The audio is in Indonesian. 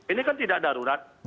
ini kan tidak darurat